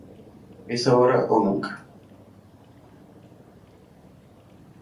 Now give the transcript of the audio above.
Es ahora o nunca".